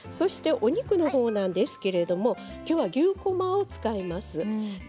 お肉のほうなんですけれどきょうは牛こまを使います。